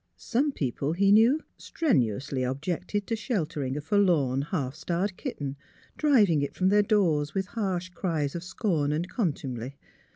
Some people, he knew, strenuously objected to sheltering a forlorn, half starved kitten, driving it from their doors with harsh cries of scorn and contumely.